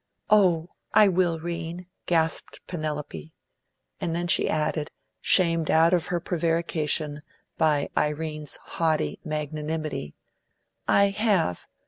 "Oh, I will, 'Rene," gasped Penelope. And then she added, shamed out of her prevarication by Irene's haughty magnanimity, "I have.